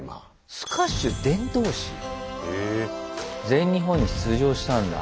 全日本に出場したんだ。